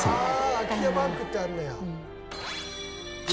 ああ空き家バンクってあんねや。